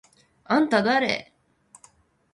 あんただれ？！？